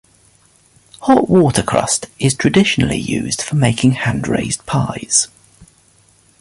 Hot water crust is traditionally used for making hand-raised pies.